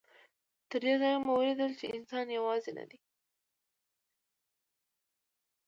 تر دې ځایه مو ولیدل چې انسان یوازې نه دی.